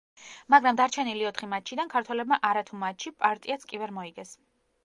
მაგრამ დარჩენილი ოთხი მატჩიდან ქართველებმა არა თუ მატჩი, პარტიაც კი ვერ მოიგეს.